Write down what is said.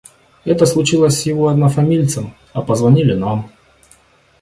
Это случилось с его однофамильцем, а позвонили нам.